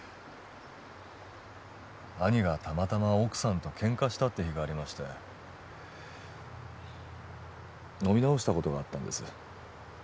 兄がたまたま奥さんとケンカしたって日がありまして飲み直したことがあったんです